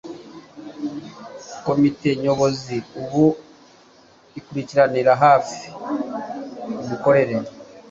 komite nyobozi ubu ikurikiranira hafi imikorere